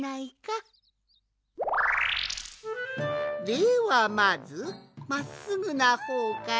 ではまずまっすぐなほうから。